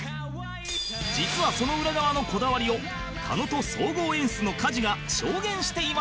実はその裏側のこだわりを狩野と総合演出の加地が証言していました